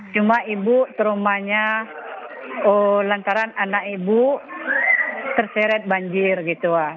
cuma ibu traumanya lantaran anak ibu terseret banjir gitu